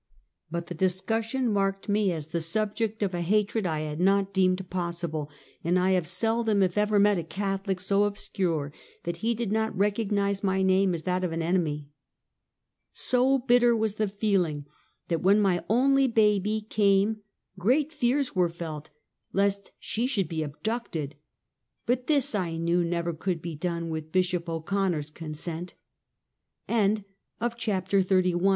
But the discussion marked me as the subject of a hatred I had not deemed pos sible, and I have seldom, if ever, met a Catholic so obscure that he did not recognize my name as that of an enemy. So bitter was the feeling, that when my only baby came great fears were felt lest she should be abducted; but this I knew never c